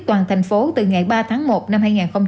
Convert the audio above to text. toàn thành phố từ ngày ba tháng một năm hai nghìn hai mươi